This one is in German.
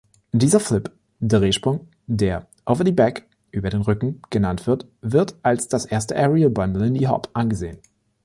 Dieser Flip (Drehsprung), der „over the back“ (über den Rücken) genannt wird, wird als das erste Aerial beim Lindy Hop angesehen.